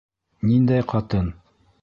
Ниндәй ҡатын?